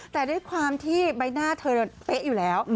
แต่ด้วยความที่ใบหน้าเธอเป๊ะอยู่แล้ว